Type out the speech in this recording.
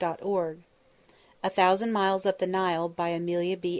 [Title Page] A THOUSAND MILES UP THE NILE BY AMELIA B.